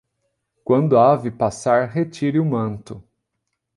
Quando a ave passar, retire o manto.